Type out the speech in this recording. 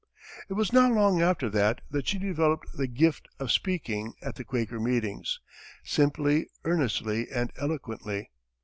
It was not long after that, that she developed the "gift" of speaking at the Quaker meetings, simply, earnestly and eloquently.